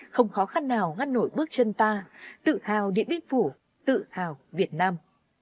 không khó khăn nào ngăn nổi bước chân ta tự hào điện biên phủ tự hào việt nam